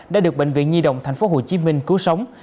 đã được bệnh viện nhi đồng tp hcm cứu sống